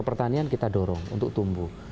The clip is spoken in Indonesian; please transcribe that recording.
pertanian kita dorong untuk tumbuh